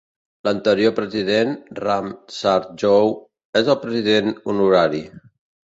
L'anterior president, Ram Sardjoe, és el president honorari.